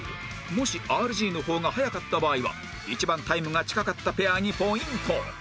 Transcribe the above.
もし ＲＧ の方が早かった場合は一番タイムが近かったペアにポイント